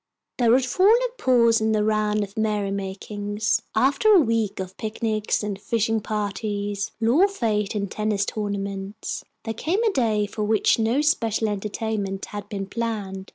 There had fallen a pause in the round of merry makings. After a week of picnics and fishing parties, lawn fêtes and tennis tournaments, there came a day for which no special entertainment had been planned.